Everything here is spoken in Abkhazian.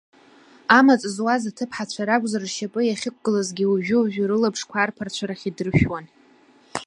Амаҵ зуаз аҭыԥҳацәа ракәзар, ршьапы иахьықәгылазгьы, уажәы-уажәы рылаԥшқәа арԥарцәа рахь идыршәуан.